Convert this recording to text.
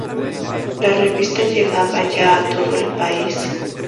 La revista llegaba ya a todo el país.